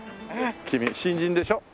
君新人でしょ？